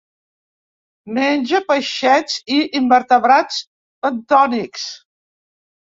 Menja peixets i invertebrats bentònics.